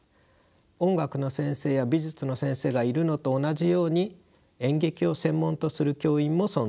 音楽の先生や美術の先生がいるのと同じように演劇を専門とする教員も存在します。